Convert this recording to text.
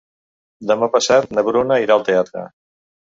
Demà passat na Bruna irà al teatre.